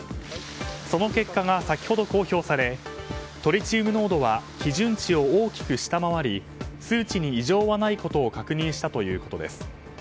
その結果が先ほど公表されトリチウム濃度は基準値を大きく下回り数値に異常はないことを確認したということです。